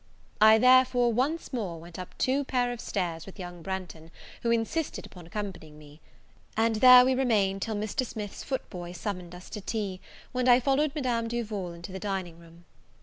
I therefore once more went up two pair of stairs with young Branghton, who insisted upon accompanying me; and there we remained till Mr. Smith's foot boy summoned us to tea, when I followed Madame Duval into the dining room.